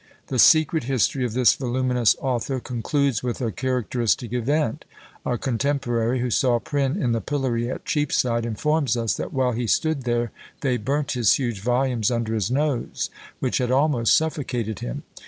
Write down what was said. The secret history of this voluminous author concludes with a characteristic event: a contemporary who saw Prynne in the pillory at Cheapside, informs us that while he stood there they "burnt his huge volumes under his nose, which had almost suffocated him."